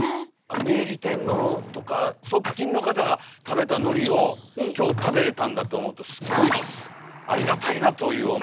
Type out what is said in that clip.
明治天皇とか側近の方が食べたのりを今日食べれたんだと思うとすっごいありがたいなという思いです。